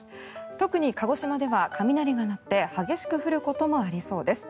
特に鹿児島では雷が鳴って激しく降ることもありそうです。